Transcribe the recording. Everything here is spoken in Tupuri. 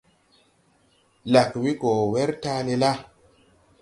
Lag we go wer taale la.